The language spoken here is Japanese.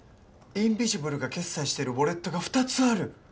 インビジブルが決済してるウォレットが２つある！